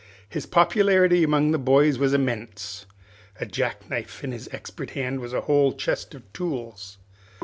His popularity among the boys was immense. A jackknife in his expert hand was a whole chest of tools.